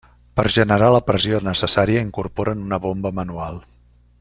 Per generar la pressió necessària incorporen una bomba manual.